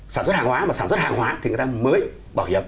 sản xuất hàng hóa và sản xuất hàng hóa thì người ta mới bảo hiểm